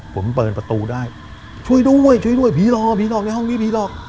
ผมเปิดประตูได้ช่วยด้วยช่วยด้วยผีหลอกผีหลอกในห้องนี้ผีหลอก